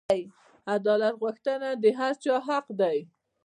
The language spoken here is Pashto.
عدالت غوښتنه د هر چا حق دی.